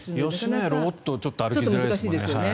吉野家であれはちょっと歩きづらいですね。